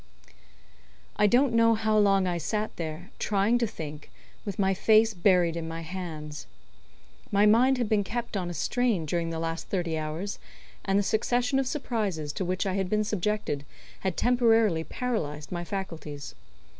I don't know how long I sat there, trying to think, with my face buried in my hands. My mind had been kept on a strain during the last thirty hours, and the succession of surprises to which I had been subjected had temporarily paralyzed my faculties.